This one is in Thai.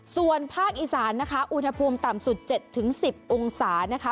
ส่วนภาคอีสานนะคะอุณหภูมิต่ำสุด๗๑๐องศานะคะ